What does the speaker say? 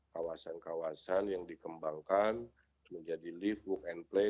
kawasan kawasan yang dikembangkan menjadi live work and play